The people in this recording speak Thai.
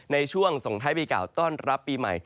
ในช่วงส่งไทยประกาศต้อนรับปีใหม่